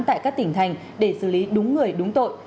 tại các tỉnh thành để xử lý đúng người đúng tội